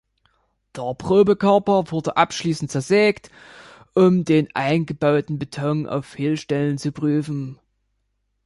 Der Probekörper wurde abschließend zersägt, um den eingebauten Beton auf Fehlstellen zu prüfen.